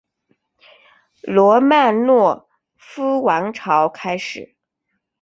罗曼诺夫王朝开始。